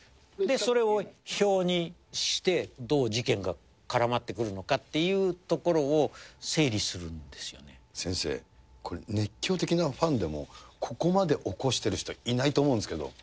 それを表にして、どう事件が絡まってくるのかっていうところを整先生、これ、熱狂的なファンでも、ここまで起こしている人、いないと思うんですけど。